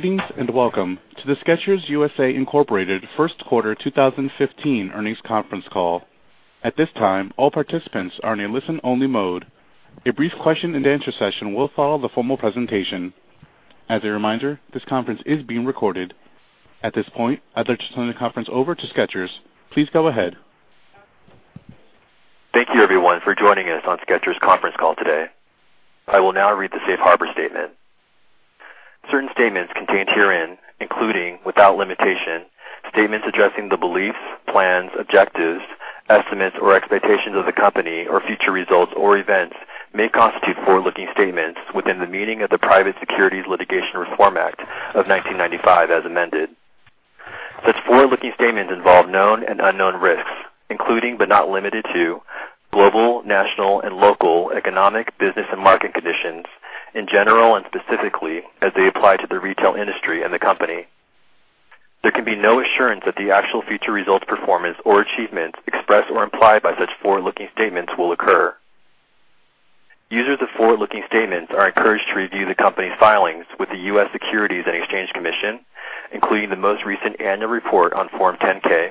Greetings, welcome to the Skechers U.S.A., Inc. First Quarter 2015 Earnings Conference Call. At this time, all participants are in a listen-only mode. A brief question-and-answer session will follow the formal presentation. As a reminder, this conference is being recorded. At this point, I'd like to turn the conference over to Skechers. Please go ahead. Thank you, everyone, for joining us on Skechers conference call today. I will now read the safe harbor statement. Certain statements contained herein, including, without limitation, statements addressing the beliefs, plans, objectives, estimates, or expectations of the company or future results or events may constitute forward-looking statements within the meaning of the Private Securities Litigation Reform Act of 1995 as amended. Such forward-looking statements involve known and unknown risks, including but not limited to global, national, and local economic, business, and market conditions in general and specifically as they apply to the retail industry and the company. There can be no assurance that the actual future results, performance, or achievements expressed or implied by such forward-looking statements will occur. Users of forward-looking statements are encouraged to review the company's filings with the U.S. Securities and Exchange Commission, including the most recent annual report on Form 10-K,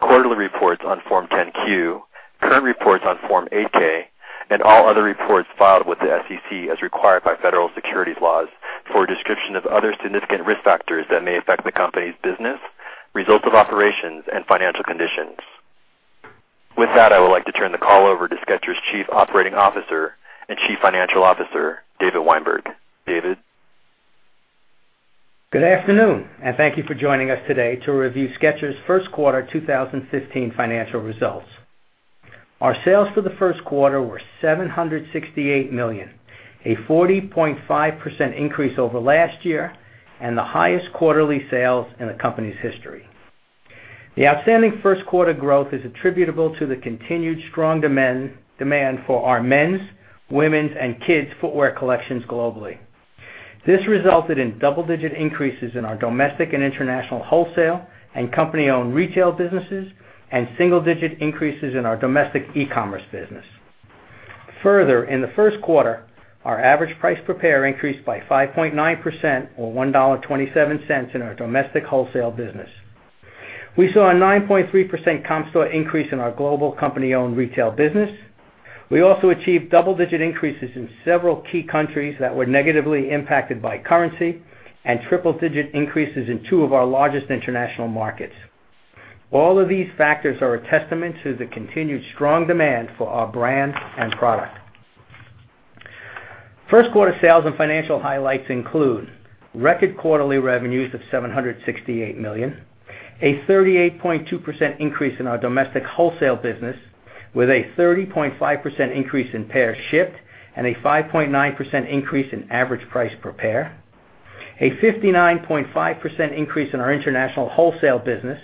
quarterly reports on Form 10-Q, current reports on Form 8-K, and all other reports filed with the SEC as required by federal securities laws for a description of other significant risk factors that may affect the company's business, results of operations, and financial conditions. With that, I would like to turn the call over to Skechers Chief Operating Officer and Chief Financial Officer, David Weinberg. David? Good afternoon, thank you for joining us today to review Skechers' first quarter 2015 financial results. Our sales for the first quarter were $768 million, a 40.5% increase over last year and the highest quarterly sales in the company's history. The outstanding first quarter growth is attributable to the continued strong demand for our men's, women's, and kids' footwear collections globally. This resulted in double-digit increases in our domestic and international wholesale and company-owned retail businesses and single-digit increases in our domestic e-commerce business. Further, in the first quarter, our average price per pair increased by 5.9% or $1.27 in our domestic wholesale business. We saw a 9.3% comp store increase in our global company-owned retail business. We also achieved double-digit increases in several key countries that were negatively impacted by currency and triple-digit increases in two of our largest international markets. All of these factors are a testament to the continued strong demand for our brand and product. First quarter sales and financial highlights include record quarterly revenues of $768 million, a 38.2% increase in our domestic wholesale business with a 30.5% increase in pairs shipped and a 5.9% increase in average price per pair, a 59.5% increase in our international wholesale business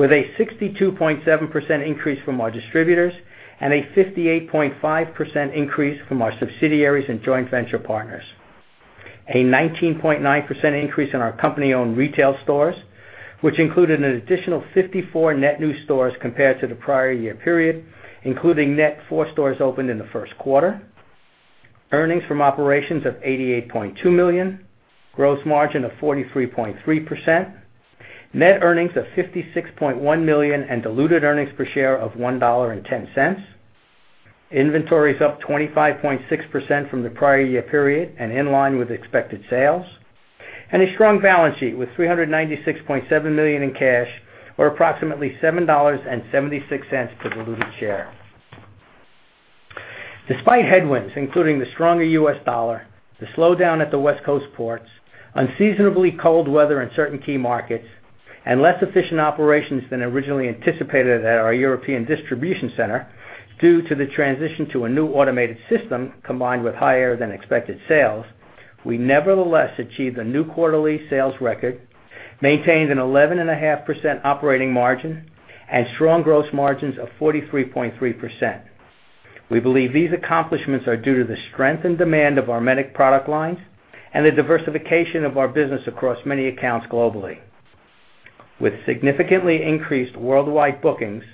with a 62.7% increase from our distributors and a 58.5% increase from our subsidiaries and joint venture partners. A 19.9% increase in our company-owned retail stores, which included an additional 54 net new stores compared to the prior year period, including net four stores opened in the first quarter. Earnings from operations of $88.2 million. Gross margin of 43.3%. Net earnings of $56.1 million and diluted earnings per share of $1.10. Inventories up 25.6% from the prior year period and in line with expected sales. A strong balance sheet with $396.7 million in cash or approximately $7.76 per diluted share. Despite headwinds, including the stronger U.S. dollar, the slowdown at the West Coast ports, unseasonably cold weather in certain key markets, and less efficient operations than originally anticipated at our European distribution center due to the transition to a new automated system combined with higher than expected sales, we nevertheless achieved a new quarterly sales record, maintained an 11.5% operating margin, and strong gross margins of 43.3%. We believe these accomplishments are due to the strength and demand of our myriad product lines and the diversification of our business across many accounts globally. With significantly increased worldwide bookings,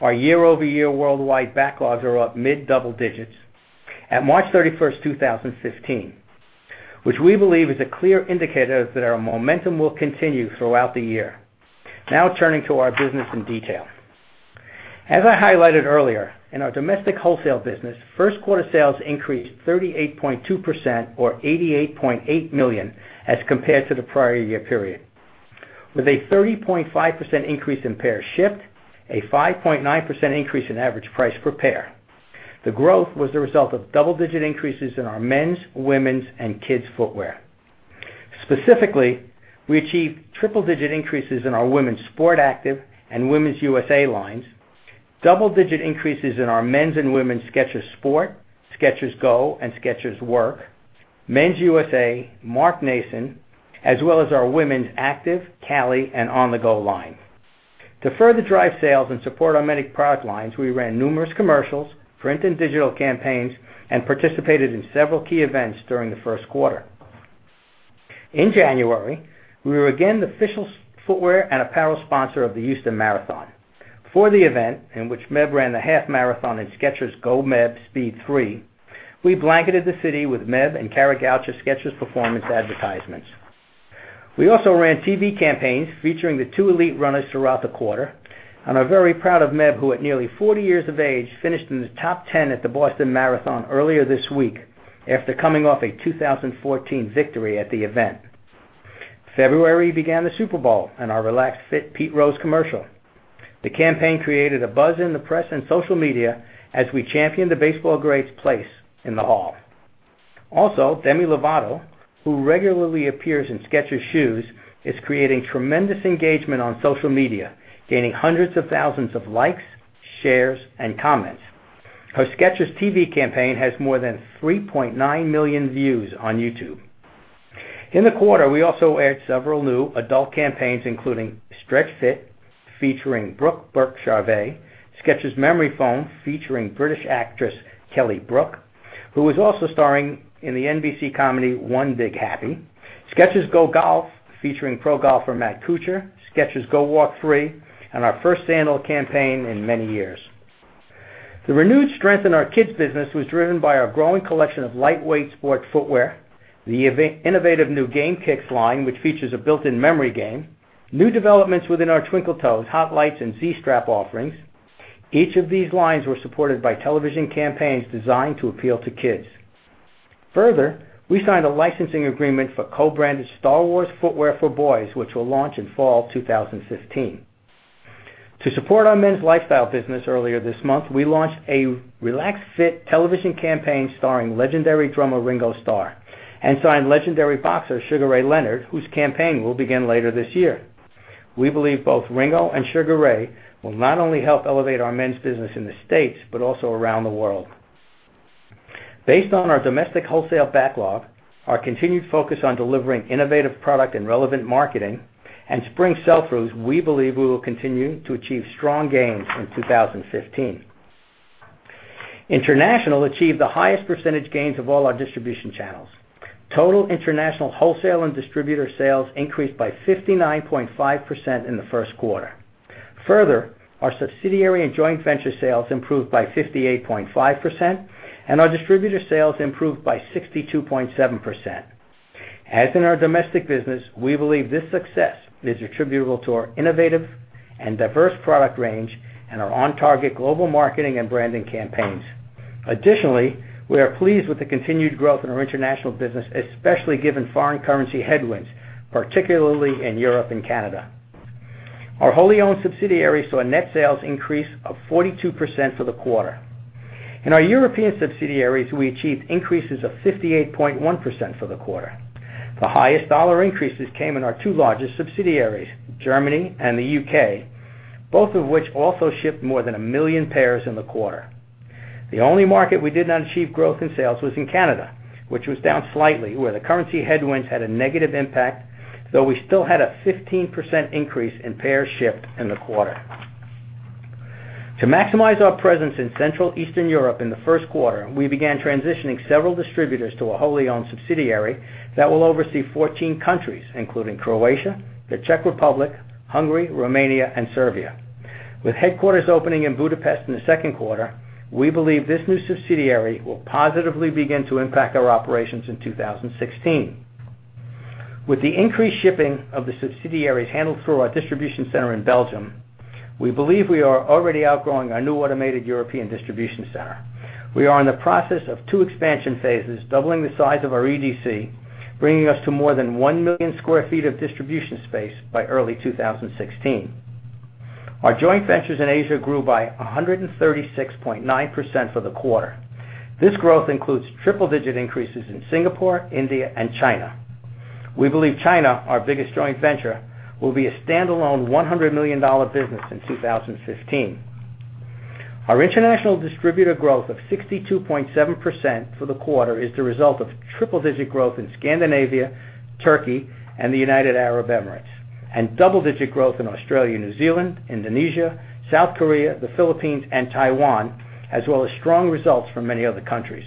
our year-over-year worldwide backlogs are up mid-double digits at March 31, 2015, which we believe is a clear indicator that our momentum will continue throughout the year. Turning to our business in detail. As I highlighted earlier, in our domestic wholesale business, first-quarter sales increased 38.2% or $88.8 million as compared to the prior year period with a 30.5% increase in pairs shipped, a 5.9% increase in average price per pair. The growth was the result of double-digit increases in our men's, women's, and kids' footwear. Specifically, we achieved triple-digit increases in our Women's Sport Active and Women's USA lines, double-digit increases in our men's and women's Skechers Sport, Skechers GO, and Skechers Work, Men's USA, Mark Nason, as well as our Women's Active, Cali, and On-the-GO line. To further drive sales and support our many product lines, we ran numerous commercials, print and digital campaigns, and participated in several key events during the first quarter. In January, we were again the official footwear and apparel sponsor of the Houston Marathon. For the event, in which Meb ran the half marathon in Skechers GOmeb Speed 3, we blanketed the city with Meb and Kara Goucher Skechers Performance advertisements. We also ran TV campaigns featuring the two elite runners throughout the quarter, and are very proud of Meb, who at nearly 40 years of age, finished in the top 10 at the Boston Marathon earlier this week after coming off a 2014 victory at the event. February began the Super Bowl and our Relaxed Fit Pete Rose commercial. The campaign created a buzz in the press and social media as we championed the baseball great's place in the hall. Also, Demi Lovato, who regularly appears in Skechers shoes, is creating tremendous engagement on social media, gaining hundreds of thousands of likes, shares, and comments. Her Skechers TV campaign has more than 3.9 million views on YouTube. In the quarter, we also aired several new adult campaigns, including Stretch Fit featuring Brooke Burke-Charvet, Skechers Memory Foam featuring British actress Kelly Brook, who is also starring in the NBC comedy, "One Big Happy," Skechers GO GOLF featuring pro golfer Matt Kuchar, Skechers GOwalk 3, and our first sandal campaign in many years. The renewed strength in our kids business was driven by our growing collection of lightweight sport footwear. The innovative new Game Kicks line, which features a built-in memory game. New developments within our Twinkle Toes, Hot Lights, and Z-Strap offerings. Each of these lines were supported by television campaigns designed to appeal to kids. Further, we signed a licensing agreement for co-branded Star Wars footwear for boys, which will launch in fall 2015. To support our men's lifestyle business earlier this month, we launched a Relaxed Fit television campaign starring legendary drummer Ringo Starr, and signed legendary boxer Sugar Ray Leonard, whose campaign will begin later this year. We believe both Ringo and Sugar Ray will not only help elevate our men's business in the States, but also around the world. Based on our domestic wholesale backlog, our continued focus on delivering innovative product and relevant marketing, and spring sell-throughs, we believe we will continue to achieve strong gains in 2015. International achieved the highest percentage gains of all our distribution channels. Total international wholesale and distributor sales increased by 59.5% in the first quarter. Further, our subsidiary and joint venture sales improved by 58.5%, and our distributor sales improved by 62.7%. As in our domestic business, we believe this success is attributable to our innovative and diverse product range and our on-target global marketing and branding campaigns. Additionally, we are pleased with the continued growth in our international business, especially given foreign currency headwinds, particularly in Europe and Canada. Our wholly-owned subsidiaries saw a net sales increase of 42% for the quarter. In our European subsidiaries, we achieved increases of 58.1% for the quarter. The highest dollar increases came in our two largest subsidiaries, Germany and the U.K., both of which also shipped more than 1 million pairs in the quarter. The only market we did not achieve growth in sales was in Canada, which was down slightly, where the currency headwinds had a negative impact, though we still had a 15% increase in pairs shipped in the quarter. To maximize our presence in Central Eastern Europe in the first quarter, we began transitioning several distributors to a wholly owned subsidiary that will oversee 14 countries including Croatia, the Czech Republic, Hungary, Romania, and Serbia. With headquarters opening in Budapest in the second quarter, we believe this new subsidiary will positively begin to impact our operations in 2016. With the increased shipping of the subsidiaries handled through our distribution center in Belgium, we believe we are already outgrowing our new automated European distribution center. We are in the process of two expansion phases, doubling the size of our EDC, bringing us to more than 1 million square feet of distribution space by early 2016. Our joint ventures in Asia grew by 136.9% for the quarter. This growth includes triple-digit increases in Singapore, India, and China. We believe China, our biggest joint venture, will be a standalone $100 million business in 2015. Our international distributor growth of 62.7% for the quarter is the result of triple-digit growth in Scandinavia, Turkey, and the United Arab Emirates, and double-digit growth in Australia, New Zealand, Indonesia, South Korea, the Philippines, and Taiwan, as well as strong results from many other countries.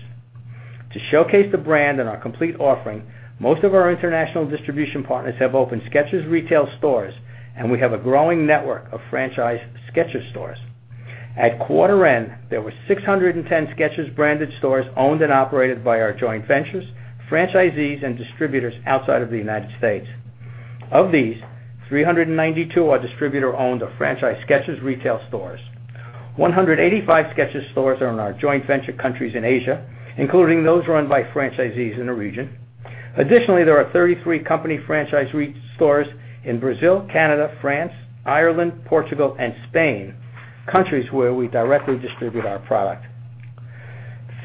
To showcase the brand and our complete offering, most of our international distribution partners have opened Skechers retail stores, and we have a growing network of franchise Skechers stores. At quarter end, there were 610 Skechers-branded stores owned and operated by our joint ventures, franchisees, and distributors outside of the U.S. Of these, 392 are distributor-owned or franchised Skechers retail stores. 185 Skechers stores are in our joint venture countries in Asia, including those run by franchisees in the region. Additionally, there are 33 company franchise stores in Brazil, Canada, France, Ireland, Portugal, and Spain, countries where we directly distribute our product.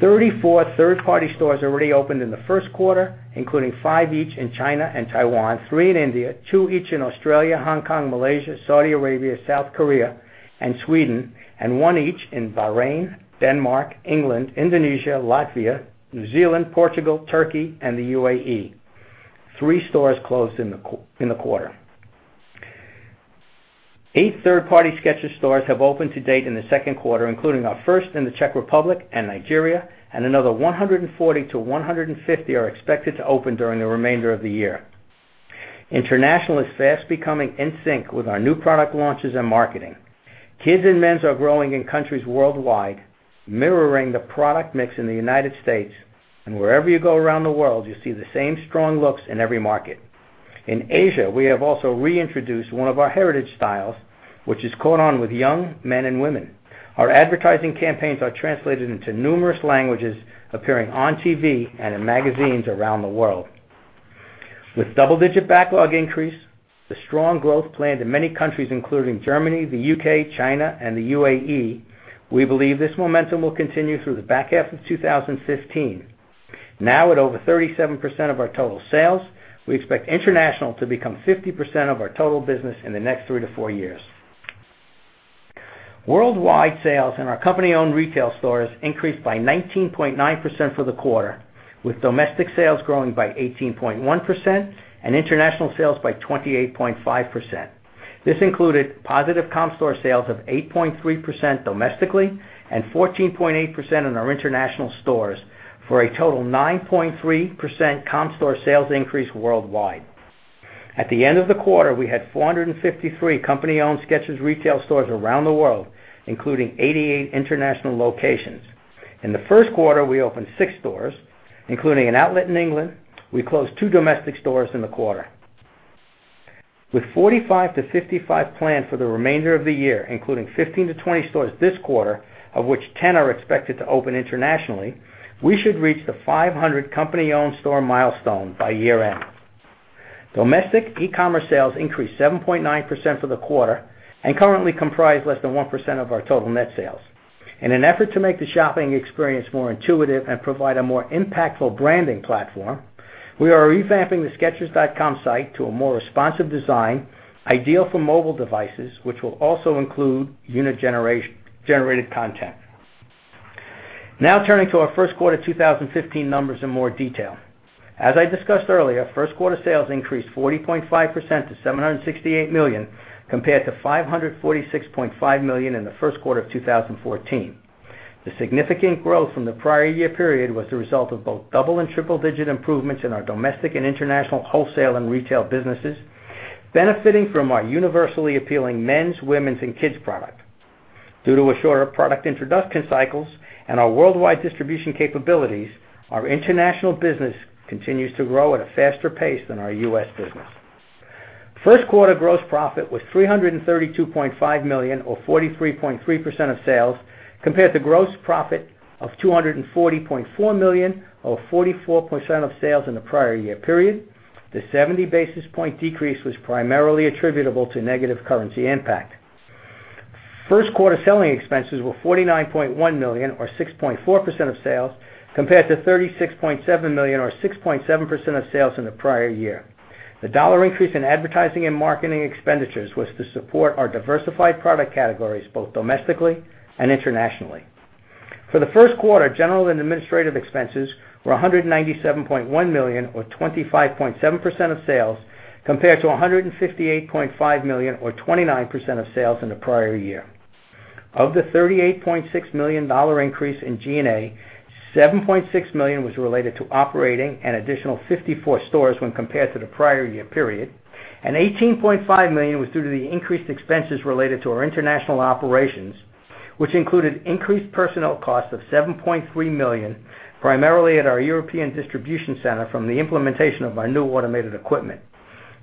34 third-party stores already opened in the first quarter, including five each in China and Taiwan, three in India, two each in Australia, Hong Kong, Malaysia, Saudi Arabia, South Korea, and Sweden, and one each in Bahrain, Denmark, England, Indonesia, Latvia, New Zealand, Portugal, Turkey, and the UAE. Three stores closed in the quarter. Eight third-party Skechers stores have opened to date in the second quarter, including our first in the Czech Republic and Nigeria, and another 140 to 150 are expected to open during the remainder of the year. International is fast becoming in sync with our new product launches and marketing. Kids and Men's are growing in countries worldwide, mirroring the product mix in the U.S., and wherever you go around the world, you see the same strong looks in every market. In Asia, we have also reintroduced one of our heritage styles, which has caught on with young men and women. Our advertising campaigns are translated into numerous languages, appearing on TV and in magazines around the world. With double-digit backlog increase, the strong growth planned in many countries, including Germany, the U.K., China, and the UAE, we believe this momentum will continue through the back half of 2015. Now, at over 37% of our total sales, we expect international to become 50% of our total business in the next three to four years. Worldwide sales in our company-owned retail stores increased by 19.9% for the quarter, with domestic sales growing by 18.1% and international sales by 28.5%. This included positive comp store sales of 8.3% domestically and 14.8% in our international stores for a total 9.3% comp store sales increase worldwide. At the end of the quarter, we had 453 company-owned Skechers retail stores around the world, including 88 international locations. In the first quarter, we opened six stores, including an outlet in England. We closed two domestic stores in the quarter. With 45 to 55 planned for the remainder of the year, including 15 to 20 stores this quarter, of which 10 are expected to open internationally, we should reach the 500 company-owned store milestone by year-end. Domestic e-commerce sales increased 7.9% for the quarter and currently comprise less than 1% of our total net sales. In an effort to make the shopping experience more intuitive and provide a more impactful branding platform, we are revamping the skechers.com site to a more responsive design ideal for mobile devices, which will also include unit-generated content. Turning to our first quarter 2015 numbers in more detail. As I discussed earlier, first quarter sales increased 40.5% to $768 million, compared to $546.5 million in the first quarter of 2014. The significant growth from the prior year period was the result of both double and triple-digit improvements in our domestic and international wholesale and retail businesses, benefiting from our universally appealing men's, women's, and kids' product. Due to shorter product introduction cycles and our worldwide distribution capabilities, our international business continues to grow at a faster pace than our U.S. business. First quarter gross profit was $332.5 million or 43.3% of sales, compared to gross profit of $240.4 million or 44% of sales in the prior year period. The 70 basis point decrease was primarily attributable to negative currency impact. First quarter selling expenses were $49.1 million or 6.4% of sales, compared to $36.7 million or 6.7% of sales in the prior year. The dollar increase in advertising and marketing expenditures was to support our diversified product categories, both domestically and internationally. For the first quarter, general and administrative expenses were $197.1 million or 25.7% of sales, compared to $158.5 million or 29% of sales in the prior year. Of the $38.6 million increase in G&A, $7.6 million was related to operating an additional 54 stores when compared to the prior year period, and $18.5 million was due to the increased expenses related to our international operations, which included increased personnel costs of $7.3 million, primarily at our European distribution center from the implementation of our new automated equipment.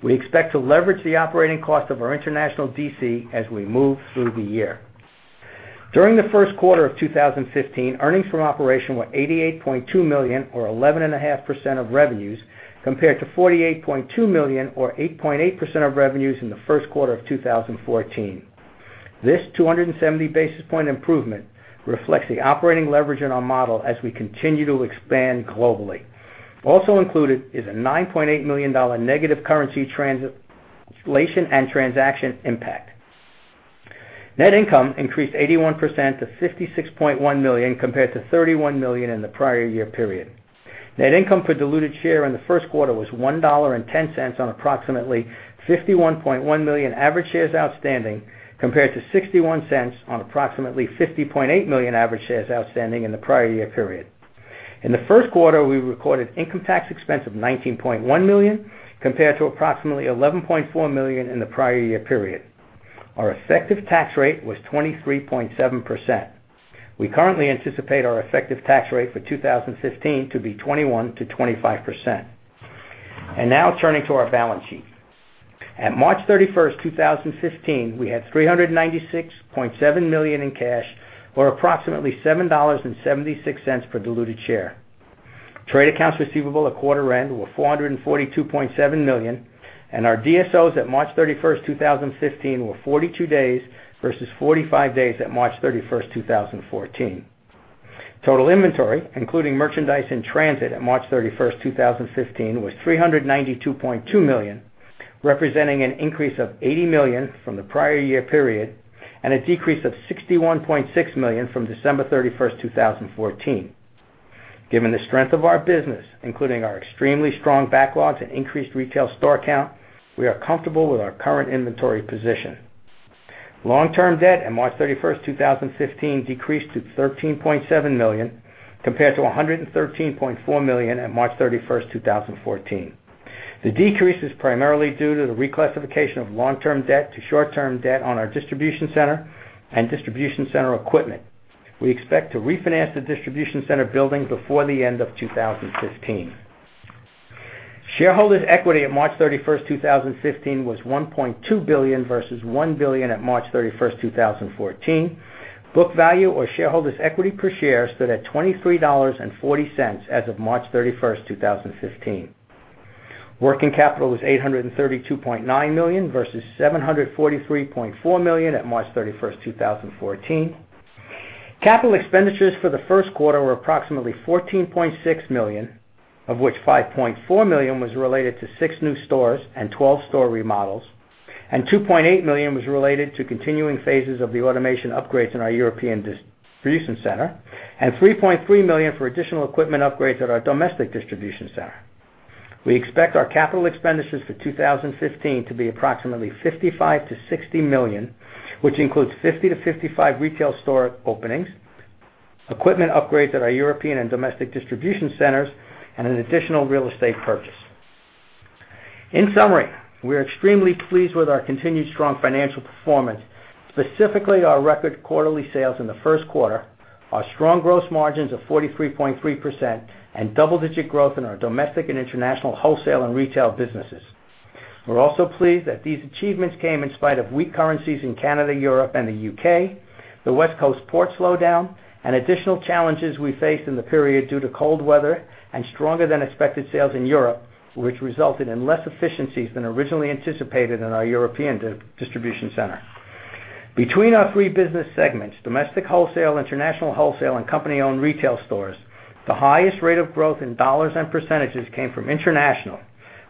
We expect to leverage the operating cost of our international DC as we move through the year. During the first quarter of 2015, earnings from operation were $88.2 million or 11.5% of revenues, compared to $48.2 million or 8.8% of revenues in the first quarter of 2014. This 270 basis point improvement reflects the operating leverage in our model as we continue to expand globally. Also included is a $9.8 million negative currency translation and transaction impact. Net income increased 81% to $56.1 million compared to $31 million in the prior year period. Net income per diluted share in the first quarter was $1.10 on approximately 51.1 million average shares outstanding, compared to $0.61 on approximately 50.8 million average shares outstanding in the prior year period. In the first quarter, we recorded income tax expense of $19.1 million, compared to approximately $11.4 million in the prior year period. Our effective tax rate was 23.7%. We currently anticipate our effective tax rate for 2015 to be 21%-25%. Turning to our balance sheet. At March 31, 2015, we had $396.7 million in cash or approximately $7.76 per diluted share. Trade accounts receivable at quarter end were $442.7 million, and our DSOs at March 31, 2015, were 42 days versus 45 days at March 31, 2014. Total inventory, including merchandise in transit at March 31st, 2015, was $392.2 million, representing an increase of $80 million from the prior year period and a decrease of $61.6 million from December 31st, 2014. Given the strength of our business, including our extremely strong backlogs and increased retail store count, we are comfortable with our current inventory position. Long-term debt at March 31st, 2015, decreased to $13.7 million compared to $113.4 million at March 31st, 2014. The decrease is primarily due to the reclassification of long-term debt to short-term debt on our distribution center and distribution center equipment. We expect to refinance the distribution center building before the end of 2015. Shareholder's equity at March 31st, 2015, was $1.2 billion versus $1 billion at March 31st, 2014. Book value or shareholder's equity per share stood at $23.40 as of March 31st, 2015. Working capital was $832.9 million versus $743.4 million at March 31st, 2014. Capital expenditures for the first quarter were approximately $14.6 million, of which $5.4 million was related to six new stores and 12 store remodels, and $2.8 million was related to continuing phases of the automation upgrades in our European distribution center, and $3.3 million for additional equipment upgrades at our domestic distribution center. We expect our capital expenditures for 2015 to be approximately $55 million-$60 million, which includes 50-55 retail store openings, equipment upgrades at our European and domestic distribution centers, and an additional real estate purchase. In summary, we are extremely pleased with our continued strong financial performance, specifically our record quarterly sales in the first quarter, our strong gross margins of 43.3%, and double-digit growth in our domestic and international wholesale and retail businesses. We're also pleased that these achievements came in spite of weak currencies in Canada, Europe, and the U.K., the West Coast port slowdown, and additional challenges we faced in the period due to cold weather and stronger than expected sales in Europe, which resulted in less efficiencies than originally anticipated in our European distribution center. Between our three business segments, domestic wholesale, international wholesale, and company-owned retail stores, the highest rate of growth in dollars and percentages came from international,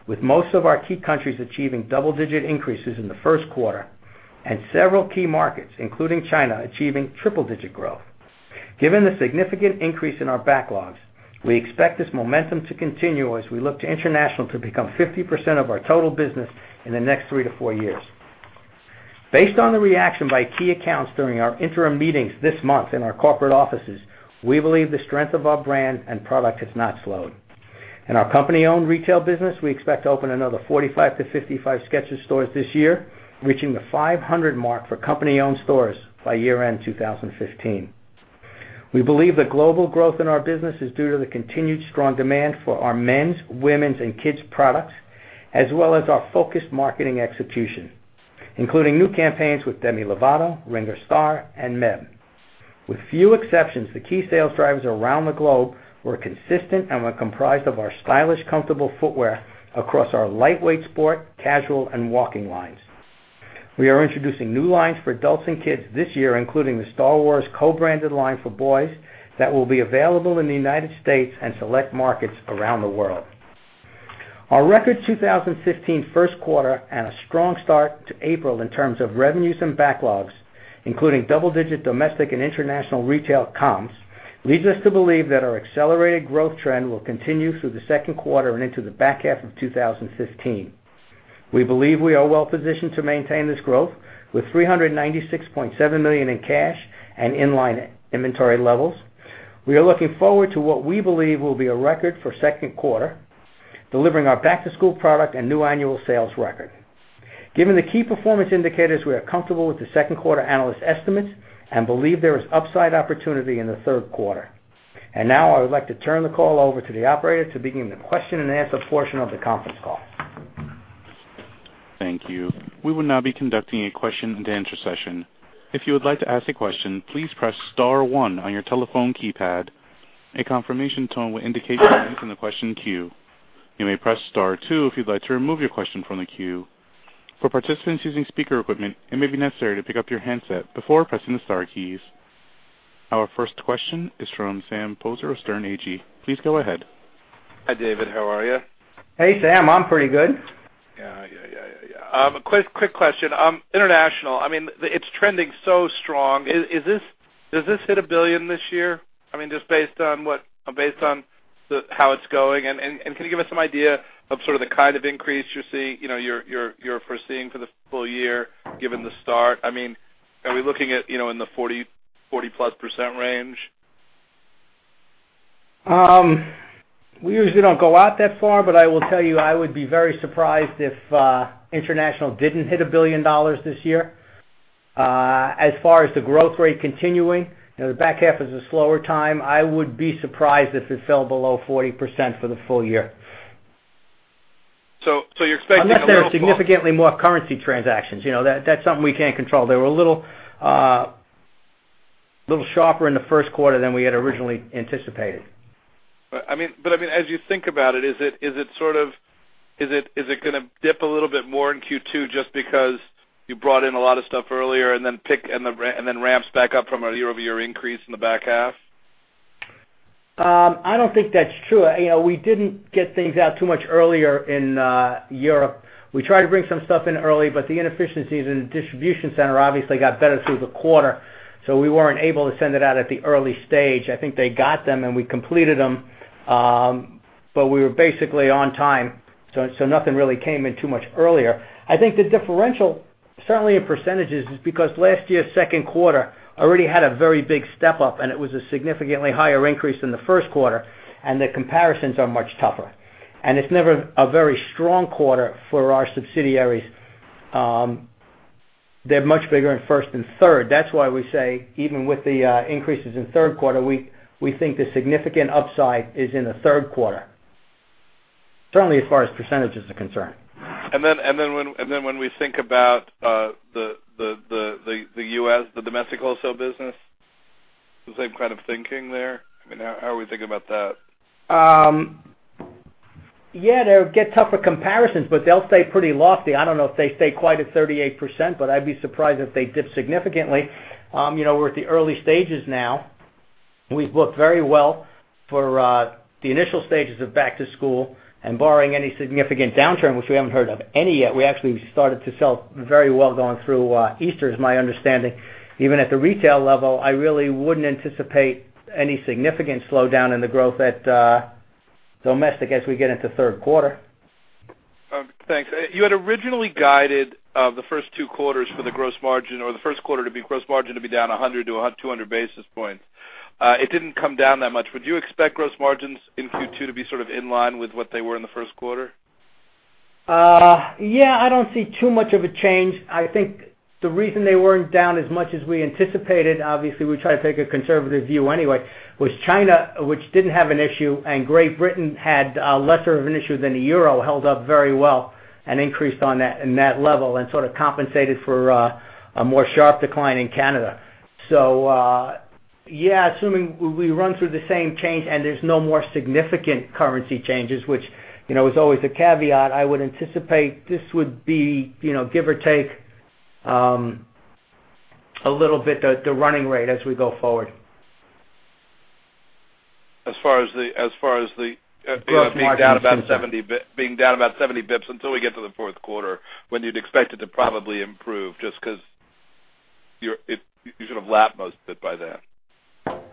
with most of our key countries achieving double-digit increases in the first quarter, and several key markets, including China, achieving triple-digit growth. Given the significant increase in our backlogs, we expect this momentum to continue as we look to international to become 50% of our total business in the next three to four years. Based on the reaction by key accounts during our interim meetings this month in our corporate offices, we believe the strength of our brand and product has not slowed. In our company-owned retail business, we expect to open another 45-55 Skechers stores this year, reaching the 500 mark for company-owned stores by year-end 2015. We believe the global growth in our business is due to the continued strong demand for our men's, women's, and kids' products, as well as our focused marketing execution, including new campaigns with Demi Lovato, Ringo Starr, and Meb. With few exceptions, the key sales drivers around the globe were consistent and were comprised of our stylish, comfortable footwear across our lightweight sport, casual, and walking lines. We are introducing new lines for adults and kids this year, including the Star Wars co-branded line for boys that will be available in the U.S. and select markets around the world. Our record 2015 first quarter and a strong start to April in terms of revenues and backlogs, including double-digit domestic and international retail comps, leads us to believe that our accelerated growth trend will continue through the second quarter and into the back half of 2015. We believe we are well-positioned to maintain this growth with $396.7 million in cash and in line inventory levels. We are looking forward to what we believe will be a record for second quarter, delivering our back-to-school product and new annual sales record. Given the key performance indicators, we are comfortable with the second quarter analyst estimates and believe there is upside opportunity in the third quarter. Now, I would like to turn the call over to the operator to begin the question and answer portion of the conference call. Thank you. We will now be conducting a question and answer session. If you would like to ask a question, please press *1 on your telephone keypad. A confirmation tone will indicate you are in the question queue. You may press *2 if you'd like to remove your question from the queue. For participants using speaker equipment, it may be necessary to pick up your handset before pressing the star keys. Our first question is from Sam Poser of Sterne Agee. Please go ahead. Hi, David. How are you? Hey, Sam. I'm pretty good. Yeah. Quick question. International. It's trending so strong. Does this hit $1 billion this year? Just based on how it's going, can you give us some idea of sort of the kind of increase you're foreseeing for the full year, given the start? Are we looking at in the 40+% range? We usually don't go out that far, I will tell you, I would be very surprised if International didn't hit $1 billion this year. As far as the growth rate continuing, the back half is a slower time. I would be surprised if it fell below 40% for the full year. You're expecting a little. Unless there are significantly more currency transactions. That's something we can't control. They were a little sharper in the first quarter than we had originally anticipated. As you think about it, is it gonna dip a little bit more in Q2 just because you brought in a lot of stuff earlier and then ramps back up from a year-over-year increase in the back half? I don't think that's true. We didn't get things out too much earlier in Europe. We tried to bring some stuff in early, the inefficiencies in the distribution center obviously got better through the quarter, we weren't able to send it out at the early stage. I think they got them, and we completed them. We were basically on time, nothing really came in too much earlier. I think the differential, certainly in percentages, is because last year's second quarter already had a very big step-up, it was a significantly higher increase than the first quarter, and the comparisons are much tougher. It's never a very strong quarter for our subsidiaries. They're much bigger in first than third. That's why we say, even with the increases in the third quarter, we think the significant upside is in the third quarter. Certainly, as far as percentages are concerned. When we think about the U.S., the domestic wholesale business, the same kind of thinking there? How are we thinking about that? They'll get tougher comparisons, but they'll stay pretty lofty. I don't know if they stay quite at 38%, but I'd be surprised if they dip significantly. We're at the early stages now. We've booked very well for the initial stages of back to school, and barring any significant downturn, which we haven't heard of any yet, we actually started to sell very well going through Easter, is my understanding. Even at the retail level, I really wouldn't anticipate any significant slowdown in the growth at domestic as we get into the third quarter. Thanks. You had originally guided the first two quarters for the gross margin, or the first quarter to be gross margin to be down 100 to 200 basis points. It didn't come down that much. Would you expect gross margins in Q2 to be sort of in line with what they were in the first quarter? I don't see too much of a change. I think the reason they weren't down as much as we anticipated, obviously, we try to take a conservative view anyway, was China, which didn't have an issue, and Great Britain had lesser of an issue than the Euro, held up very well and increased in that level and sort of compensated for a more sharp decline in Canada. Assuming we run through the same change and there's no more significant currency changes, which is always a caveat, I would anticipate this would be, give or take, a little bit, the running rate as we go forward. As far as the- Gross margin being down about 70 basis points until we get to the fourth quarter when you'd expect it to probably improve, just because you should have lapped most of it by then.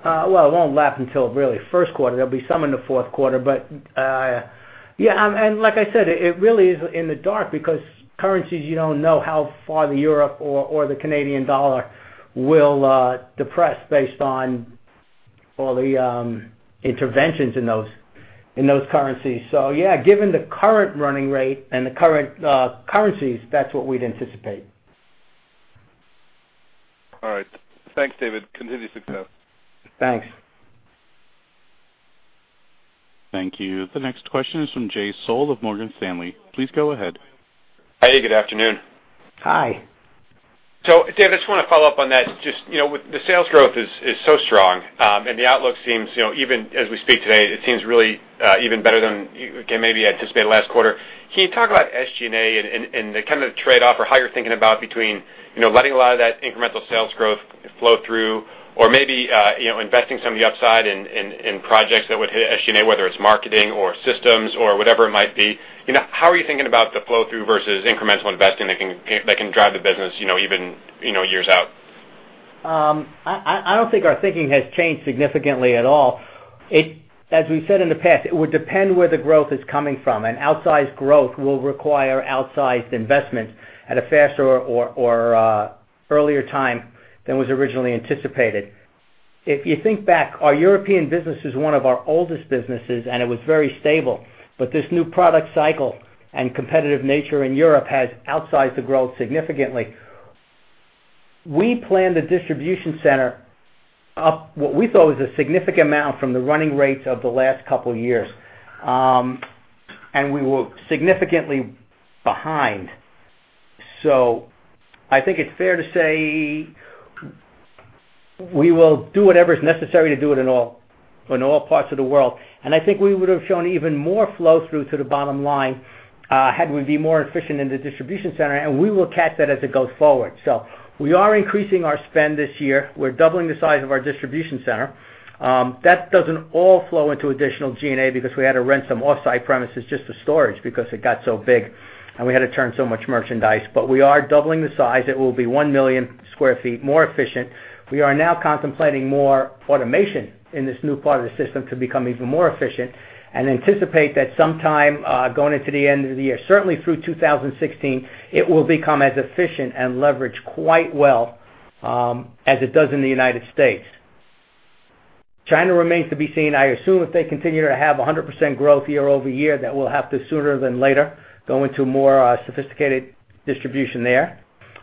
Well, it won't lap until really first quarter. There'll be some in the fourth quarter. Yeah, like I said, it really is in the dark because currencies, you don't know how far the Euro or the Canadian dollar will depress based on all the interventions in those currencies. Yeah, given the current running rate and the current currencies, that's what we'd anticipate. All right. Thanks, David. Continue success. Thanks. Thank you. The next question is from Jay Sole of Morgan Stanley. Please go ahead. Hey, good afternoon. Hi. David, I just want to follow up on that. Just with the sales growth is so strong, and the outlook seems, even as we speak today, it seems really even better than you maybe anticipated last quarter. Can you talk about SG&A and the kind of trade-off, or how you're thinking about between letting a lot of that incremental sales growth flow through or maybe investing some of the upside in projects that would hit SG&A, whether it's marketing or systems or whatever it might be. How are you thinking about the flow through versus incremental investing that can drive the business even years out? I don't think our thinking has changed significantly at all. As we've said in the past, it would depend where the growth is coming from. An outsized growth will require outsized investment at a faster or earlier time than was originally anticipated. If you think back, our European business is one of our oldest businesses, and it was very stable, but this new product cycle and competitive nature in Europe has outsized the growth significantly. We planned a distribution center up, what we thought was a significant amount from the running rates of the last couple of years. We were significantly behind. I think it's fair to say we will do whatever's necessary to do it in all parts of the world. I think we would have shown even more flow through to the bottom line, had we been more efficient in the distribution center, and we will catch that as it goes forward. We are increasing our spend this year. We're doubling the size of our distribution center. That doesn't all flow into additional G&A because we had to rent some off-site premises just for storage because it got so big and we had to turn so much merchandise. We are doubling the size. It will be 1 million square feet more efficient. We are now contemplating more automation in this new part of the system to become even more efficient and anticipate that sometime going into the end of the year. Certainly, through 2016, it will become as efficient and leverage quite well as it does in the United States. China remains to be seen. I assume if they continue to have 100% growth year-over-year, that we'll have to sooner than later go into more sophisticated distribution there.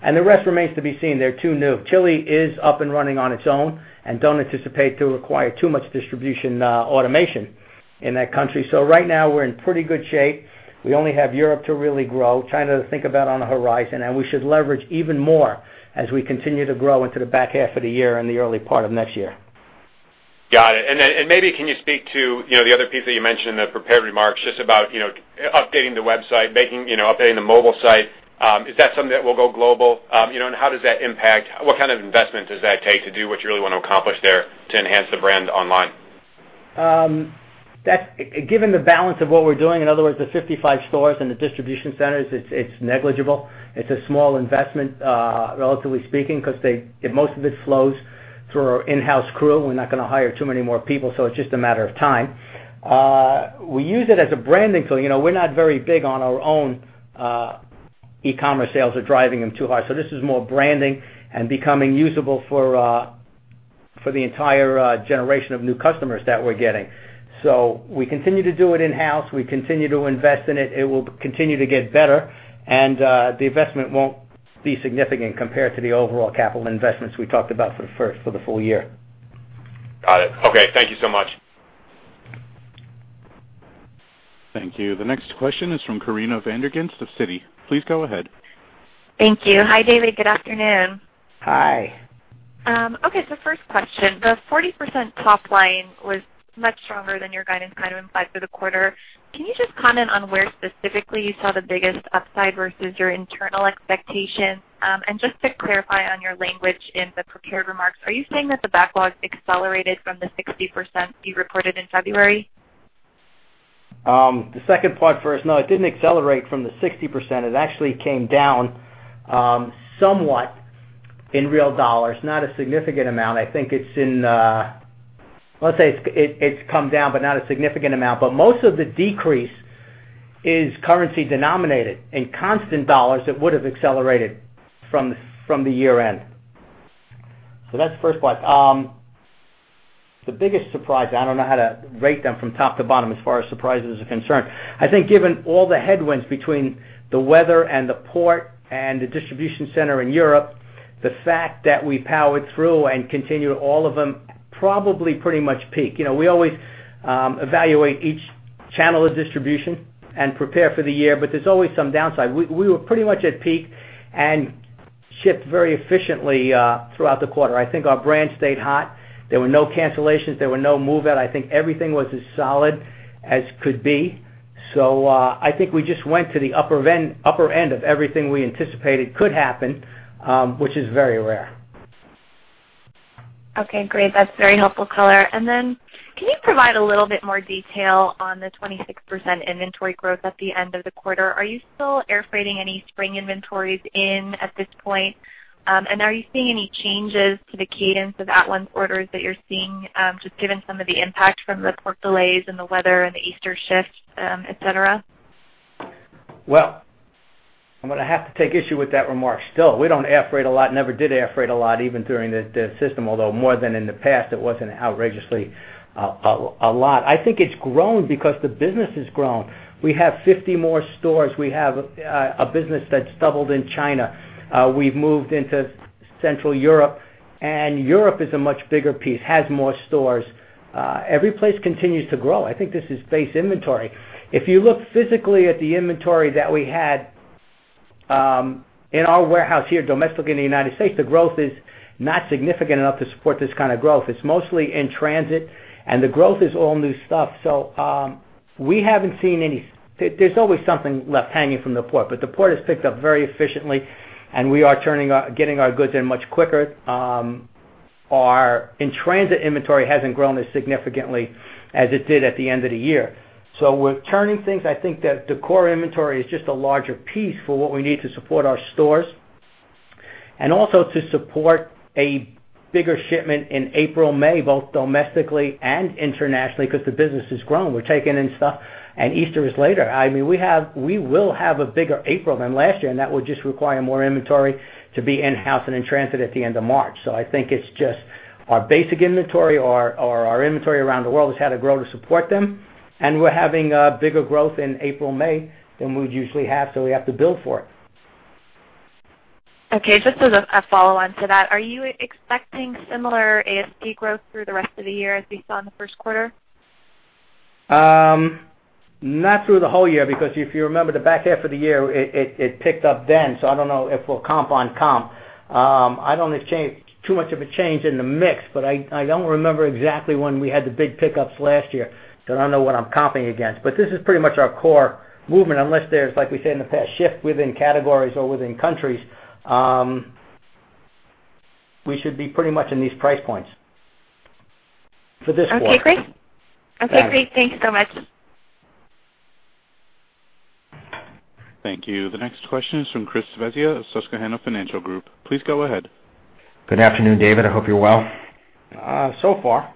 The rest remains to be seen. They're too new. Chile is up and running on its own and don't anticipate to require too much distribution automation in that country. Right now, we're in pretty good shape. We only have Europe to really grow, China to think about on the horizon, we should leverage even more as we continue to grow into the back half of the year and the early part of next year. Got it. Maybe can you speak to the other piece that you mentioned in the prepared remarks, just about updating the website, updating the mobile site. Is that something that will go global? How does that impact, what kind of investment does that take to do what you really want to accomplish there to enhance the brand online? Given the balance of what we're doing, in other words, the 55 stores and the distribution centers, it's negligible. It's a small investment, relatively speaking, because most of it flows through our in-house crew. We're not going to hire too many more people. It's just a matter of time. We use it as a branding tool. We're not very big on our own e-commerce sales or driving them too hard. This is more branding and becoming usable for the entire generation of new customers that we're getting. We continue to do it in-house. We continue to invest in it. It will continue to get better, and the investment won't be significant compared to the overall capital investments we talked about for the full year. Got it. Okay. Thank you so much. Thank you. The next question is from Corinna Van der Ghinst of Citi. Please go ahead. Thank you. Hi, David. Good afternoon. Hi. Okay, first question. The 40% top line was much stronger than your guidance kind of implied for the quarter. Can you just comment on where specifically you saw the biggest upside versus your internal expectations? Just to clarify on your language in the prepared remarks, are you saying that the backlog accelerated from the 60% you reported in February? The second part first. No, it didn't accelerate from the 60%. It actually came down somewhat in real dollars. Not a significant amount. Let's say it's come down, but not a significant amount. Most of the decrease is currency denominated. In constant dollars, it would have accelerated from the year-end. That's the first part. The biggest surprise, I don't know how to rate them from top to bottom as far as surprises are concerned. I think given all the headwinds between the weather and the port and the distribution center in Europe, the fact that we powered through and continue all of them, probably pretty much peak. We always evaluate each channel of distribution and prepare for the year, but there's always some downside. We were pretty much at peak and shipped very efficiently throughout the quarter. I think our brand stayed hot. There were no cancellations. There were no move-out. I think everything was as solid as could be. I think we just went to the upper end of everything we anticipated could happen, which is very rare. Okay, great. That's very helpful color. Then can you provide a little bit more detail on the 26% inventory growth at the end of the quarter? Are you still air freighting any spring inventories in at this point? Are you seeing any changes to the cadence of at-once orders that you're seeing, just given some of the impact from the port delays and the weather and the Easter shifts, et cetera? Well, I'm going to have to take issue with that remark still. We don't air freight a lot, never did air freight a lot, even during the system, although more than in the past, it wasn't outrageously a lot. I think it's grown because the business has grown. We have 50 more stores. We have a business that's doubled in China. Europe is a much bigger piece, has more stores. Every place continues to grow. I think this is base inventory. If you look physically at the inventory that we had in our warehouse here domestically in the U.S., the growth is not significant enough to support this kind of growth. It's mostly in transit, and the growth is all new stuff. The port has picked up very efficiently, and we are getting our goods in much quicker. Our in-transit inventory hasn't grown as significantly as it did at the end of the year. We're turning things. I think that the core inventory is just a larger piece for what we need to support our stores and also to support a bigger shipment in April, May, both domestically and internationally, because the business has grown. We're taking in stuff and Easter is later. We will have a bigger April than last year, and that would just require more inventory to be in-house and in transit at the end of March. I think it's just our basic inventory. Our inventory around the world has had to grow to support them, and we're having a bigger growth in April, May than we would usually have, so we have to build for it. Okay, just as a follow-on to that. Are you expecting similar ASP growth through the rest of the year as we saw in the first quarter? Not through the whole year, because if you remember the back half of the year, it picked up then. I don't know if we'll comp on comp. I don't think too much of a change in the mix, I don't remember exactly when we had the big pickups last year, so I don't know what I'm comping against. This is pretty much our core movement. Unless there's, like we said in the past, shift within categories or within countries, we should be pretty much in these price points for this quarter. Okay, great. Yeah. Okay, great. Thanks so much. Thank you. The next question is from Chris Svezia of Susquehanna Financial Group. Please go ahead. Good afternoon, David. I hope you're well. So far.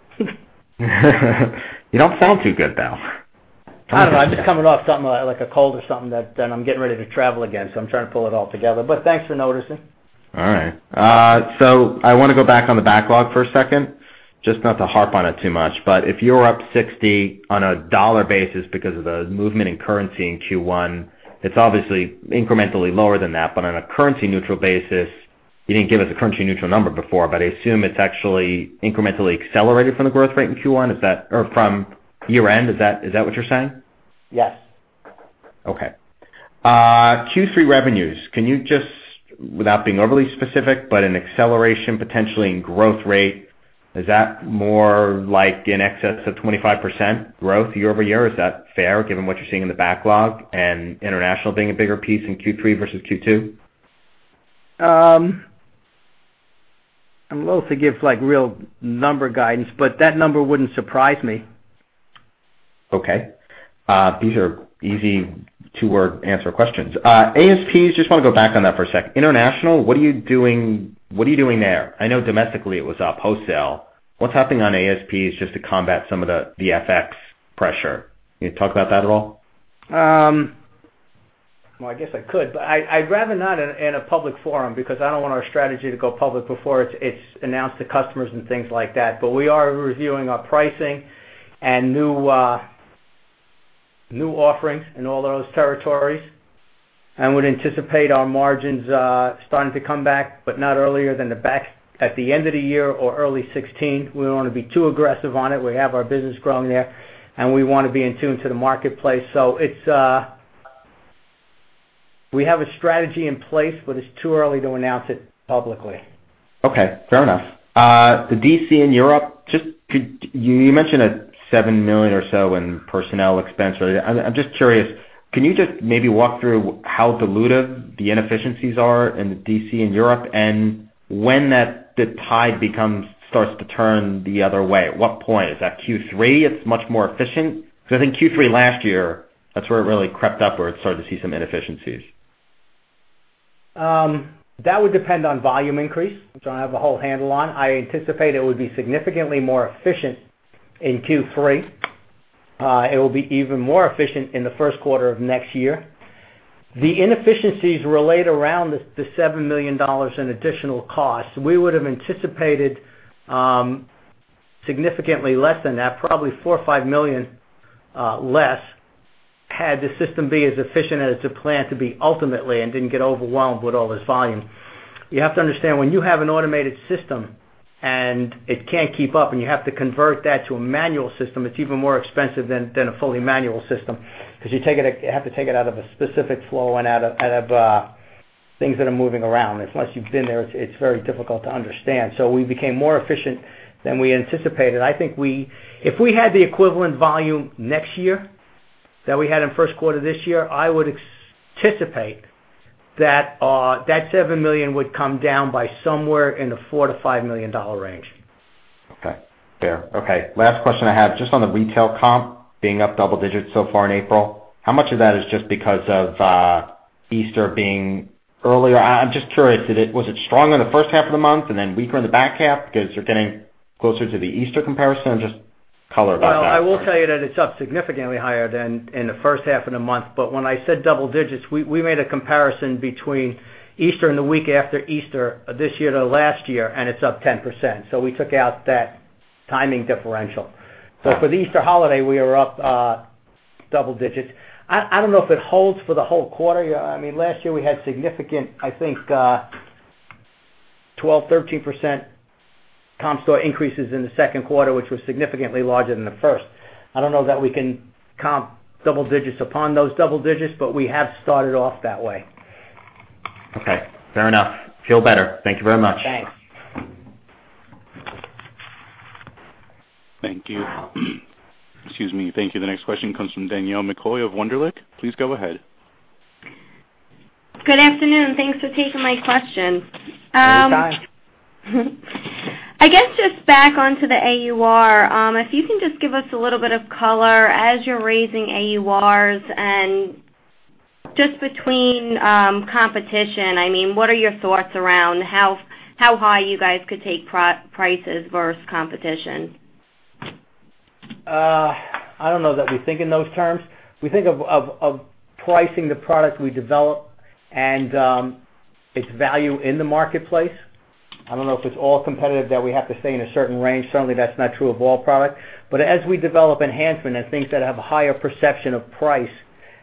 You don't sound too good, though. I don't know. I'm just coming off something like a cold or something, then I'm getting ready to travel again, so I'm trying to pull it all together. Thanks for noticing. All right. I want to go back on the backlog for a second, just not to harp on it too much. If you're up $60 on a dollar basis because of the movement in currency in Q1, it's obviously incrementally lower than that. On a currency neutral basis, you didn't give us a currency neutral number before, I assume it's actually incrementally accelerated from the growth rate in Q1. Or from year-end. Is that what you're saying? Yes. Okay. Q3 revenues, can you just, without being overly specific, but an acceleration potentially in growth rate, is that more like in excess of 25% growth year-over-year? Is that fair, given what you're seeing in the backlog and international being a bigger piece in Q3 versus Q2? I'm loath to give real number guidance, but that number wouldn't surprise me. Okay. These are easy two-word answer questions. ASPs, just want to go back on that for a second. International, what are you doing there? I know domestically it was up wholesale. What's happening on ASPs just to combat some of the FX pressure? Can you talk about that at all? I guess I could, I'd rather not in a public forum because I don't want our strategy to go public before it's announced to customers and things like that. We are reviewing our pricing and new offerings in all those territories, and would anticipate our margins starting to come back, not earlier than the back at the end of the year or early 2016. We don't want to be too aggressive on it. We have our business growing there, and we want to be in tune to the marketplace. We have a strategy in place, it's too early to announce it publicly. Fair enough. The DC in Europe, you mentioned a $7 million or so in personnel expense earlier. I'm just curious, can you just maybe walk through how dilutive the inefficiencies are in the DC in Europe, and when the tide becomes, starts to turn the other way? At what point? Is that Q3 it's much more efficient? Because I think Q3 last year, that's where it really crept up where it started to see some inefficiencies. That would depend on volume increase, which I don't have a whole handle on. I anticipate it would be significantly more efficient in Q3. It will be even more efficient in the first quarter of next year. The inefficiencies relate around the $7 million in additional costs. We would have anticipated significantly less than that, probably $4 million or $5 million less, had the system be as efficient as it's planned to be ultimately and didn't get overwhelmed with all this volume. You have to understand, when you have an automated system and it can't keep up and you have to convert that to a manual system, it's even more expensive than a fully manual system because you have to take it out of a specific flow and out of things that are moving around. Unless you've been there, it's very difficult to understand. We became more efficient than we anticipated. I think if we had the equivalent volume next year that we had in first quarter this year, I would anticipate that that $7 million would come down by somewhere in the $4 million-$5 million range. Okay. Fair. Okay. Last question I have, just on the retail comp being up double digits so far in April. How much of that is just because of Easter being earlier? I'm just curious, was it strong in the first half of the month and then weaker in the back half because you're getting closer to the Easter comparison? Just color about that. Well, I will tell you that it's up significantly higher than in the first half of the month. When I said double digits, we made a comparison between Easter and the week after Easter this year to last year, and it's up 10%. We took out that timing differential. For the Easter holiday, we are up double digits. I don't know if it holds for the whole quarter. Last year we had significant, I think, 12, 13% comp store increases in the second quarter, which was significantly larger than the first. I don't know that we can comp double digits upon those double digits, but we have started off that way. Okay. Fair enough. Feel better. Thank you very much. Thanks. Thank you. Excuse me. Thank you. The next question comes from Danielle McCoy of Wunderlich. Please go ahead. Good afternoon. Thanks for taking my question. Anytime. I guess just back onto the AUR, if you can just give us a little bit of color as you're raising AURs and just between competition, what are your thoughts around how high you guys could take prices versus competition? I don't know that we think in those terms. We think of pricing the product we develop and its value in the marketplace. I don't know if it's all competitive that we have to stay in a certain range. Certainly, that's not true of all product. As we develop enhancement and things that have a higher perception of price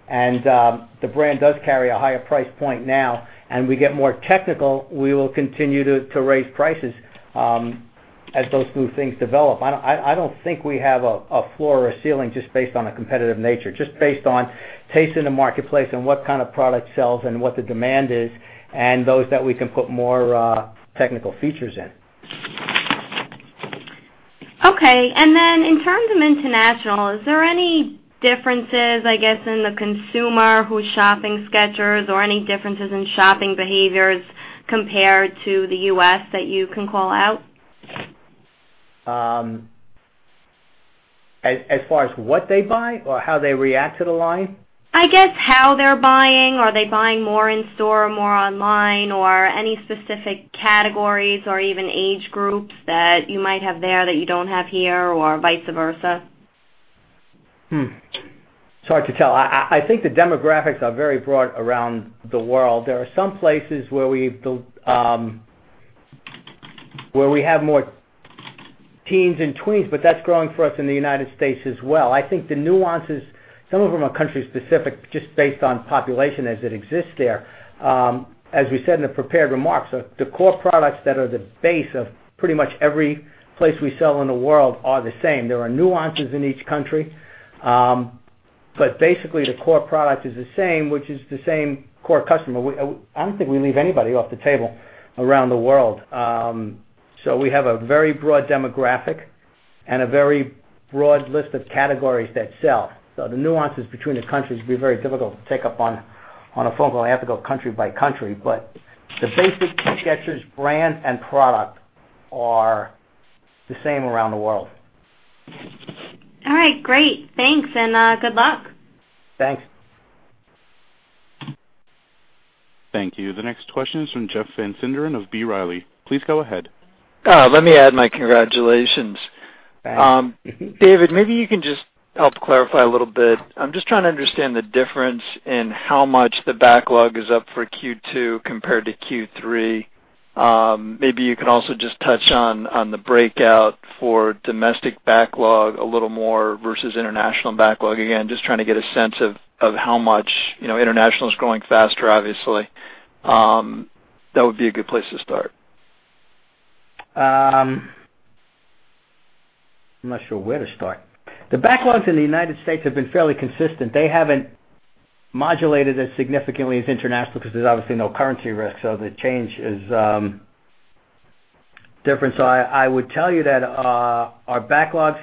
and the brand does carry a higher price point now and we get more technical, we will continue to raise prices as those new things develop. I don't think we have a floor or a ceiling just based on a competitive nature, just based on taste in the marketplace and what kind of product sells and what the demand is and those that we can put more technical features in. Okay. In terms of international, is there any differences in the consumer who's shopping Skechers or any differences in shopping behaviors compared to the U.S. that you can call out? As far as what they buy or how they react to the line? I guess how they're buying. Are they buying more in store, more online, or any specific categories or even age groups that you might have there that you don't have here or vice versa? It's hard to tell. I think the demographics are very broad around the world. There are some places where we have more teens and tweens, but that's growing for us in the U.S. as well. I think the nuances, some of them are country specific, just based on population as it exists there. As we said in the prepared remarks, the core products that are the base of pretty much every place we sell in the world are the same. There are nuances in each country. Basically, the core product is the same, which is the same core customer. I don't think we leave anybody off the table around the world. We have a very broad demographic and a very broad list of categories that sell. The nuances between the countries would be very difficult to take up on a phone call. I have to go country by country, the basic Skechers brand and product are the same around the world. All right, great. Thanks, and good luck. Thanks. Thank you. The next question is from Jeff Van Sinderen of B. Riley. Please go ahead. Let me add my congratulations. Thanks. David, maybe you can just help clarify a little bit. I'm just trying to understand the difference in how much the backlog is up for Q2 compared to Q3. Maybe you can also just touch on the breakout for domestic backlog a little more versus international backlog. Again, just trying to get a sense of how much. International is growing faster, obviously. That would be a good place to start. I'm not sure where to start. The backlogs in the U.S. have been fairly consistent. They haven't modulated as significantly as international because there's obviously no currency risk, the change is different. I would tell you that our backlogs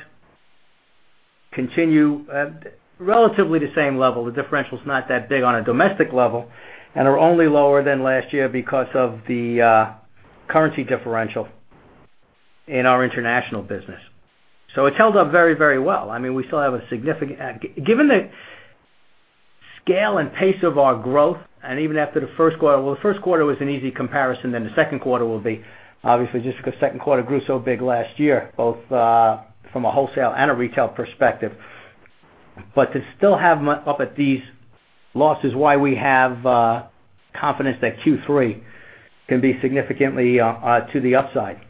continue at relatively the same level. The differential is not that big on a domestic level and are only lower than last year because of the currency differential in our international business. It's held up very well. Given the scale and pace of our growth, and even after the first quarter, the first quarter was an easy comparison, the second quarter will be, obviously just because second quarter grew so big last year, both from a wholesale and a retail perspective. To still have them up at these levels is why we have confidence that Q3 can be significantly to the upside.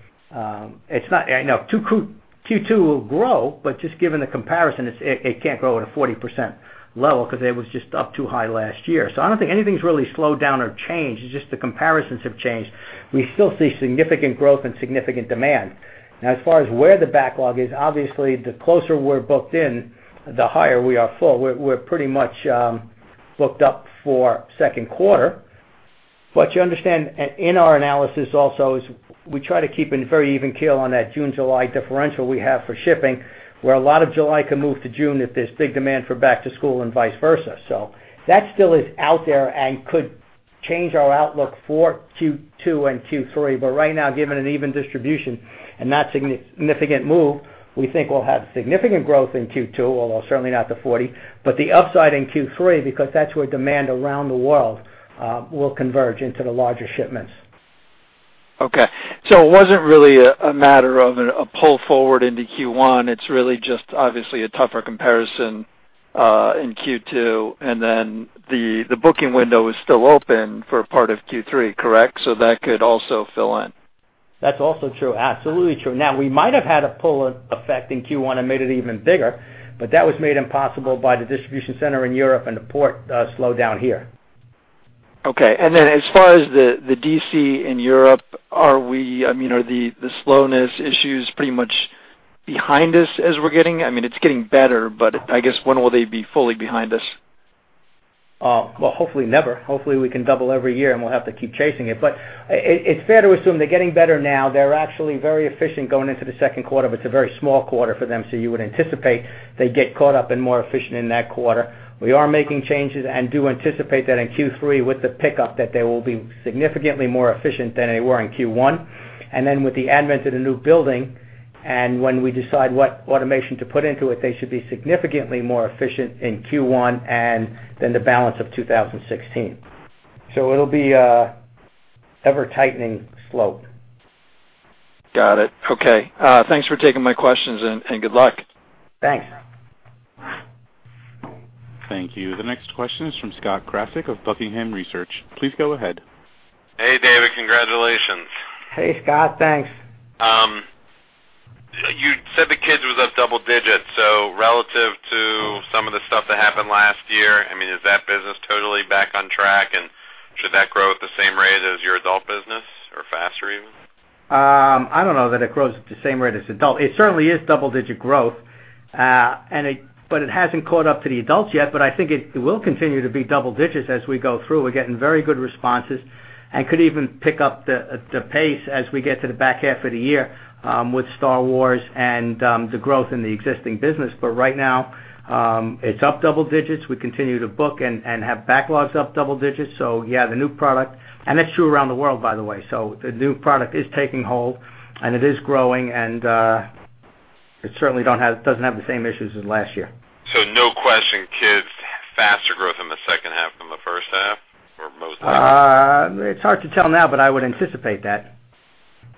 Q2 will grow, just given the comparison, it can't grow at a 40% level because it was just up too high last year. I don't think anything's really slowed down or changed, it's just the comparisons have changed. We still see significant growth and significant demand. As far as where the backlog is, obviously, the closer we're booked in, the higher we are full. We're pretty much booked up for the second quarter. You understand, in our analysis also, is we try to keep a very even keel on that June, July differential we have for shipping, where a lot of July can move to June if there's big demand for back to school and vice versa. That still is out there and could change our outlook for Q2 and Q3. Right now, given an even distribution and not significant move, we think we'll have significant growth in Q2, although certainly not the 40%, the upside in Q3 because that's where demand around the world will converge into the larger shipments. Okay. It wasn't really a matter of a pull forward into Q1. It's really just obviously a tougher comparison in Q2, the booking window is still open for part of Q3, correct? That could also fill in. That's also true. Absolutely true. We might have had a pull effect in Q1 and made it even bigger, but that was made impossible by the distribution center in Europe and the port slowdown here. Okay. As far as the DC in Europe, are the slowness issues pretty much behind us? It's getting better, but I guess when will they be fully behind us? Well, hopefully never. Hopefully, we can double every year, and we'll have to keep chasing it. It's fair to assume they're getting better now. They're actually very efficient going into the second quarter, but it's a very small quarter for them, so you would anticipate they'd get caught up and more efficient in that quarter. We are making changes and do anticipate that in Q3 with the pickup, that they will be significantly more efficient than they were in Q1. With the advent of the new building and when we decide what automation to put into it, they should be significantly more efficient in Q1 and then the balance of 2016. It'll be ever tightening slope. Got it. Okay. Thanks for taking my questions, and good luck. Thanks. Thank you. The next question is from Scott Krasik of Buckingham Research. Please go ahead. Hey, David. Congratulations. Hey, Scott. Thanks. You said the kids was up double digits. Relative to some of the stuff that happened last year, is that business totally back on track? Should that grow at the same rate as your adult business or faster even? I don't know that it grows at the same rate as adult. It certainly is double-digit growth. It hasn't caught up to the adults yet, I think it will continue to be double digits as we go through. We're getting very good responses and could even pick up the pace as we get to the back half of the year with Star Wars and the growth in the existing business. Right now, it's up double digits. We continue to book and have backlogs up double digits. Yeah, the new product. That's true around the world, by the way. The new product is taking hold, and it is growing, and it certainly doesn't have the same issues as last year. No question, kids, faster growth in the second half from the first half or most of it? It's hard to tell now, I would anticipate that.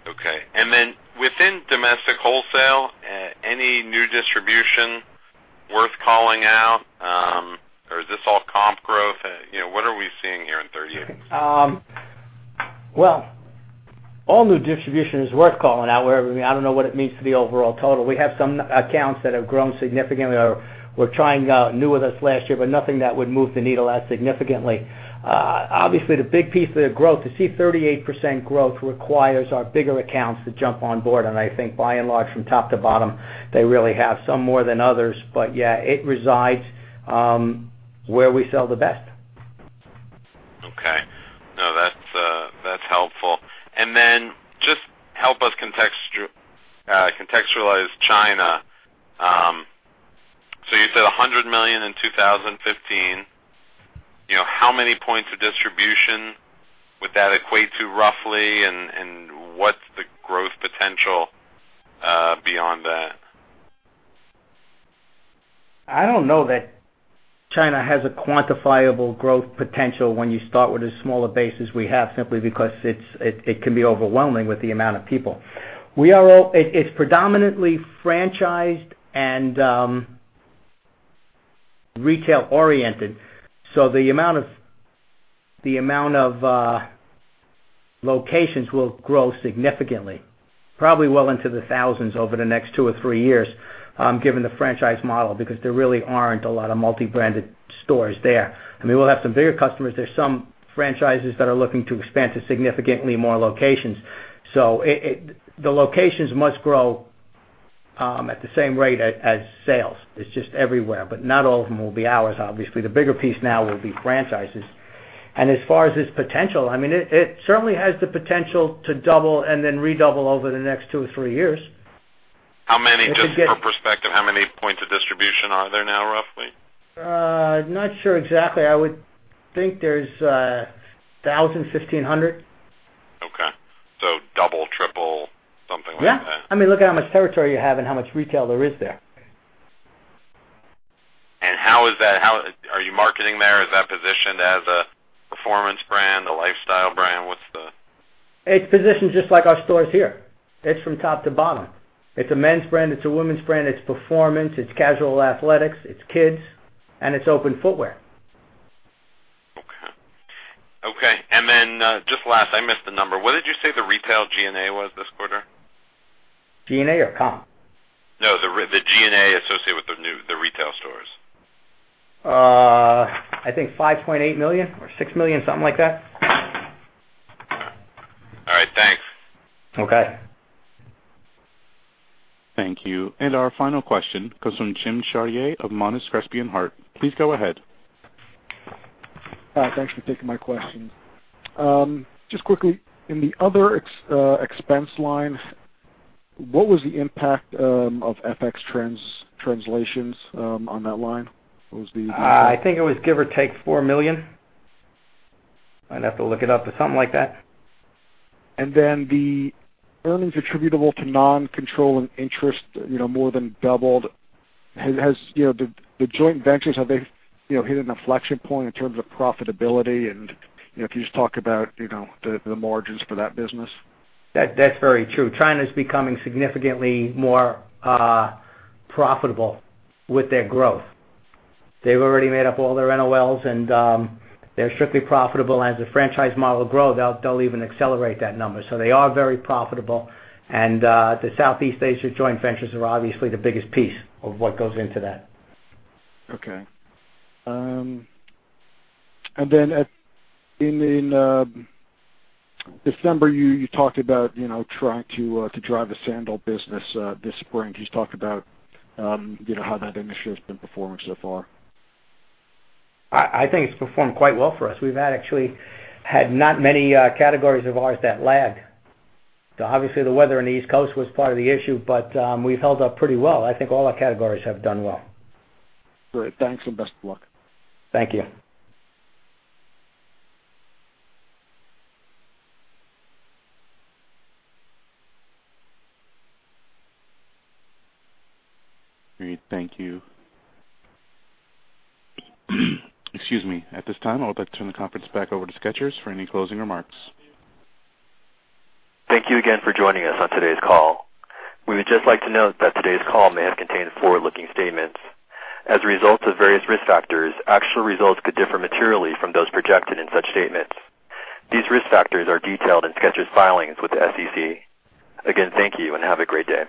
Okay. Then within domestic wholesale, any new distribution worth calling out? Is this all comp growth? What are we seeing here in third year? Well, all new distribution is worth calling out. I don't know what it means for the overall total. We have some accounts that have grown significantly or were trying out new with us last year, but nothing that would move the needle that significantly. Obviously, the big piece of the growth, to see 38% growth requires our bigger accounts to jump on board, and I think by and large, from top to bottom, they really have some more than others. Yeah, it resides where we sell the best. Okay. No, that's helpful. Then just help us contextualize China. You said $100 million in 2015. How many points of distribution would that equate to, roughly? What's the growth potential beyond that? I don't know that China has a quantifiable growth potential when you start with a smaller base as we have, simply because it can be overwhelming with the amount of people. It's predominantly franchised and retail oriented. The amount of locations will grow significantly, probably well into the thousands over the next two or three years, given the franchise model, because there really aren't a lot of multi-branded stores there. We'll have some bigger customers. There's some franchises that are looking to expand to significantly more locations. The locations must grow at the same rate as sales. It's just everywhere, but not all of them will be ours, obviously. The bigger piece now will be franchises. As far as its potential, it certainly has the potential to double and then redouble over the next two or three years. Just for perspective, how many points of distribution are there now, roughly? Not sure exactly. I would think there's 1,000, 1,500. Okay. Double, triple, something like that. Yeah. Look at how much territory you have and how much retail there is there. How is that? Are you marketing there? Is that positioned as a performance brand, a lifestyle brand? What's the? It's positioned just like our stores here. It's from top to bottom. It's a men's brand, it's a women's brand, it's performance, it's casual athletics, it's kids, and it's open footwear. Okay. Then, just last, I missed the number. What did you say the retail G&A was this quarter? G&A or comp? No, the G&A associated with the new retail stores. I think $5.8 million or $6 million, something like that. All right, thanks. Okay. Thank you. Our final question comes from Jim Chartier of Monness, Crespi and Hardt. Please go ahead. Thanks for taking my question. Just quickly, in the other expense line, what was the impact of FX translations on that line? What was the impact? I think it was give or take $4 million. I'd have to look it up, but something like that. Then the earnings attributable to non-controlling interest more than doubled. The joint ventures, have they hit an inflection point in terms of profitability? If you just talk about the margins for that business. That's very true. China's becoming significantly more profitable with their growth. They've already made up all their NOLs, and they're strictly profitable. As the franchise model grows, they'll even accelerate that number. They are very profitable, and the Southeast Asia joint ventures are obviously the biggest piece of what goes into that. Okay. Then in December, you talked about trying to drive the sandal business this spring. Can you just talk about how that initiative's been performing so far? I think it's performed quite well for us. We've actually had not many categories of ours that lagged. Obviously, the weather on the East Coast was part of the issue, but we've held up pretty well. I think all our categories have done well. Great. Thanks, and best of luck. Thank you. Great. Thank you. Excuse me. At this time, I would like to turn the conference back over to Skechers for any closing remarks. Thank you again for joining us on today's call. We would just like to note that today's call may have contained forward-looking statements. As a result of various risk factors, actual results could differ materially from those projected in such statements. These risk factors are detailed in Skechers' filings with the SEC. Again, thank you and have a great day.